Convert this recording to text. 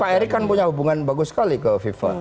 pak erick kan punya hubungan bagus sekali ke viva